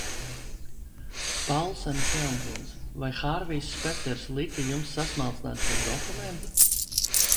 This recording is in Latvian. Paulsenas jaunkundz, vai Hārvijs Spekters lika jums sasmalcināt šo dokumentu?